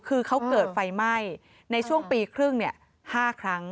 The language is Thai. คือเขาเกิดไฟไหม้ในช่วงปีครึ่ง๕ครั้ง